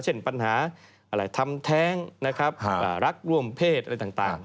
เช่นปัญหาทำแท้งนะครับรักร่วมเพศอะไรต่าง